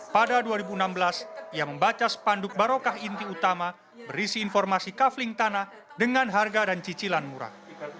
pada dua ribu enam belas ia membaca spanduk barokah inti utama berisi informasi kafling tanah dengan harga dan cicilan murah